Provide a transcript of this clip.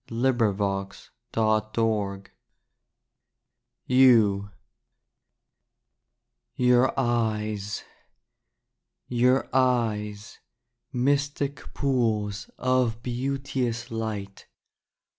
DAY DREAMS YOU Your Eyes Your Eyes, Mystic pools Of beauteous light.